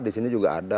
di sini juga ada